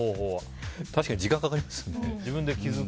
確かに時間かかりますよね。